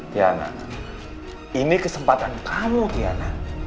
tiana ini kesempatan kamu kiana